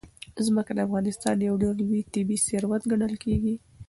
ځمکه د افغانستان یو ډېر لوی طبعي ثروت ګڼل کېږي.